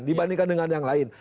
dibandingkan dengan yang lain